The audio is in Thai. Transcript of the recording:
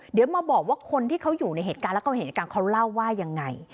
เดี๋ยวมาบอกว่าคนที่เขาอยู่ในเหตุการณ์แล้วเขาเห็นเหตุการณ์เขาเล่าว่ายังไง